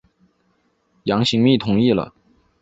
杨行密同意了。